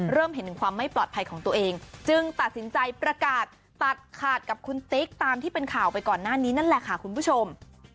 เห็นถึงความไม่ปลอดภัยของตัวเองจึงตัดสินใจประกาศตัดขาดกับคุณติ๊กตามที่เป็นข่าวไปก่อนหน้านี้นั่นแหละค่ะคุณผู้ชม